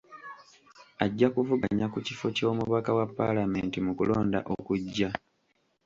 Ajja kuvuganya ku kifo ky'omubaka wa paalamenti mu kulonda okujja.